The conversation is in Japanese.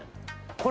これ。